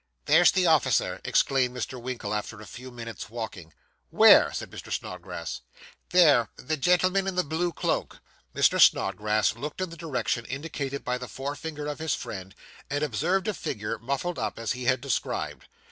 'There's the officer,' exclaimed Mr. Winkle, after a few minutes walking. 'Where?' said Mr. Snodgrass. 'There the gentleman in the blue cloak.' Mr. Snodgrass looked in the direction indicated by the forefinger of his friend, and observed a figure, muffled up, as he had described.